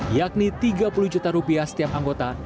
yakni tiga puluh juta rupiah setiap anggota